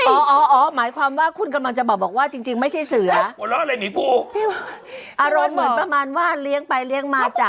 เดี๋ยวก่อนคุณทำหน้าอย่างงี้ได้ใช่มั้ยเข้าใจ